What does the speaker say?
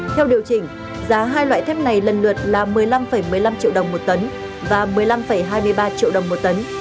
theo điều chỉnh giá hai loại thép này lần lượt là một mươi năm một mươi năm triệu đồng một tấn và một mươi năm hai mươi ba triệu đồng một tấn